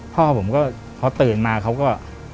พ่อผมก็พอตื่นมาเขาก็